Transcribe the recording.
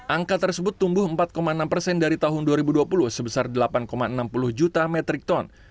angka tersebut tumbuh empat enam persen dari tahun dua ribu dua puluh sebesar delapan enam puluh juta metric ton